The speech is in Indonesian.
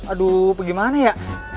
aduh bagaimana ya